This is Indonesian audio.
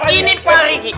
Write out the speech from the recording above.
ini pak riki